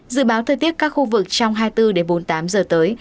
dự báo thời tiết các khu vực trong hai mươi bốn đến bốn mươi tám giờ tới